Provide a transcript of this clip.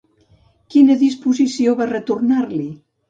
Quina disposició va retornar-li?